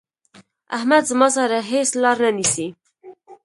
احمد زما سره هيڅ لار نه نيسي.